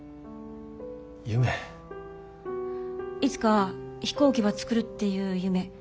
いつか飛行機ば作るっていう夢。